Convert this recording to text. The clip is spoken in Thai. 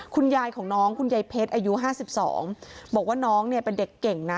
คุณยายของน้องคุณยายเพชรอายุ๕๒บอกว่าน้องเนี่ยเป็นเด็กเก่งนะ